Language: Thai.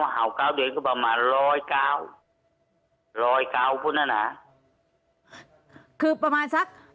เห่าเก้าเดือนก็ประมาณร้อยเก้าร้อยเก้าคนนั้นน่ะคือประมาณสัก